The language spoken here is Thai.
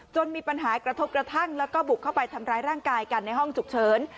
มีปัญหากระทบกระทั่งแล้วก็บุกเข้าไปทำร้ายร่างกายกันในห้องฉุกเฉิน